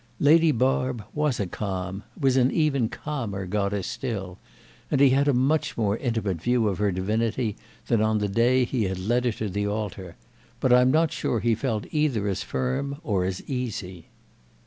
Lady Barb was a calm, was an even calmer goddess still, and he had a much more intimate view of her divinity than on the day he had led her to the altar; but I'm not sure he felt either as firm or as easy.